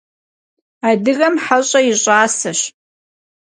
Adıgem heş'e yi ş'aseş.